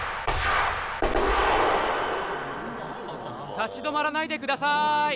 たちどまらないでください。